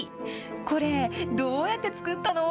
これ、どうやって作ったの？